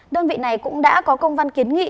đơn vị này cũng đã có công văn kiến nghị